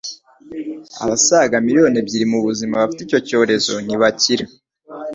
Abasaga Million ebyiri mu buzima bafite icyo cyorezo ntibakira